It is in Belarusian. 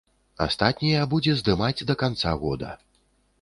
Астатнія будзе здымаць да канца года.